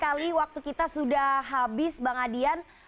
sekali waktu kita sudah habis bang adian